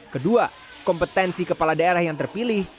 kedua kompetensi kepala daerah yang terpilih